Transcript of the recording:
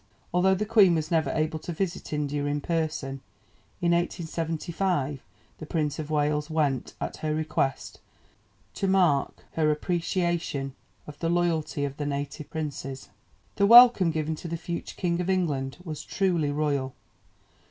Although the Queen was never able to visit India in person, in 1875 the Prince of Wales went, at her request, to mark her appreciation of the loyalty of the native princes. The welcome given to the future King of England was truly royal.